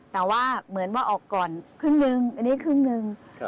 แต่ว่าเหมือนว่าออกก่อนครึ่งหนึ่งอันนี้ครึ่งหนึ่ง